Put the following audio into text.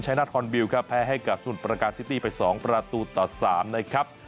ชัยนัทฮอนบิลล์แพ้ให้กับสุ่นประกาศซิตี้ไป๒ประตูต่อ๓นะครับ